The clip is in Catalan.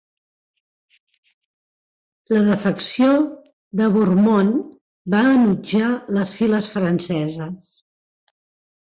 La defecció de Bourmont va enutjar les files franceses.